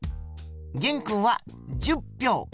げんくんは１０票。